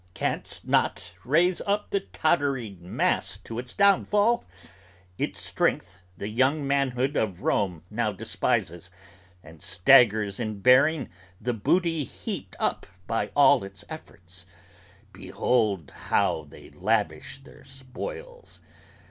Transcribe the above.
Canst not raise up the tottering mass to its downfall Its strength the young manhood of Rome now despises, and staggers In bearing the booty heaped up by its efforts: behold how They lavish their spoils!